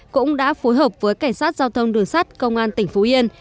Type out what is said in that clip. cũng đã phối hợp với cảnh sát giao thông đường sắt công an tỉnh phú yên